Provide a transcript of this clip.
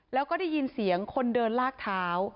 แล้วก็ได้ยินเสียงคนเดินลากเท้า